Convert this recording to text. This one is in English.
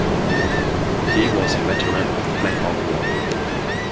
He was a veteran of the Black Hawk War.